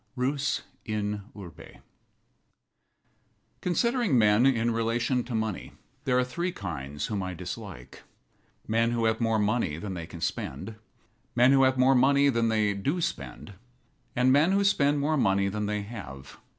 RUS IN URBE Considering men in relation to money, there are three kinds whom I dislike: men who have more money than they can spend; men who have more money than they do spend; and men who spend more money than they have.